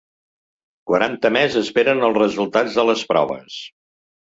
Quaranta més esperen els resultats de les proves.